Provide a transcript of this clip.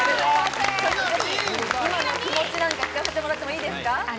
今の気持ち聞かせてもらっていいですか？